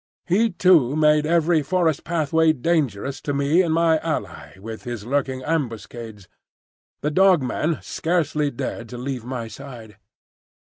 He too made every forest pathway dangerous to me and my ally with his lurking ambuscades. The Dog man scarcely dared to leave my side.